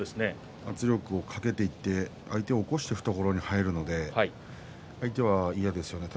圧力をかけていって相手を起こして懐に入るので相手は嫌ですよね。